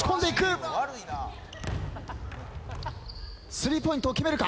３ポイントを決めるか？